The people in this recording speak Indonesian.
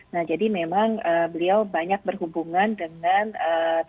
nah jadi memang beliau banyak berhubungan dengan ee